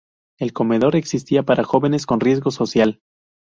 El „Comedor“ existía para jóvenes con riesgo social.